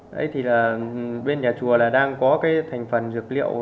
đấy thì là bên nhà chùa là đang có cái thành phần dược liệu